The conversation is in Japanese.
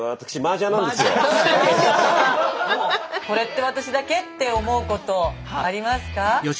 「これって私だけ？」って思うことありますか？